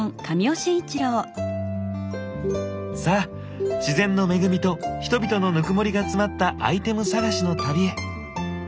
さあ自然の恵みと人々のぬくもりが詰まったアイテム探しの旅へ。